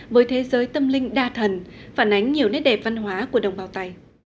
với thế giới tâm linh đa thần phản ánh nhiều nét đẹp văn hóa của đồng bào tày